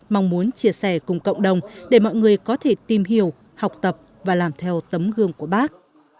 mong muốn chia sẻ cùng cộng đồng để mọi người có thể tìm hiểu học tập và làm theo tấm gương của bác